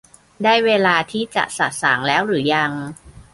ได้เวลาที่จะสะสางแล้วหรือยัง ?